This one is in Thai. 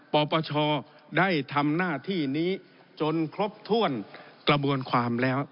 ปปชได้ทำหน้าที่นี้จนครบถ้วนกระบวนความแล้ว